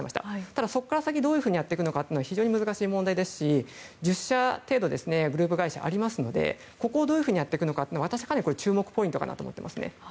ただ、そこから先どうやっていくのかは非常に難しい問題ですし１０社程度ありますので、ここをどういうふうにやっていくのか注目ポイントだと思いますね。